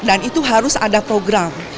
dan itu harus ada program